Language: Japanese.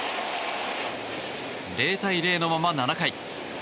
０対０のまま７回。